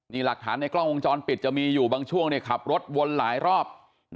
นี่หลักฐานในกล้องวงจรปิดจะมีอยู่บางช่วงขับรถวนหลายรอบ